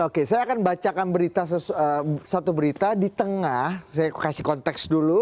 oke saya akan bacakan berita satu berita di tengah saya kasih konteks dulu